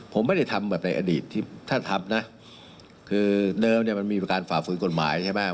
ผมไม่ได้ทำแบบในอดีตเธออาจทำคือเดิมมันมีความฝ่าฟื้นกฎหมายใช่ไหม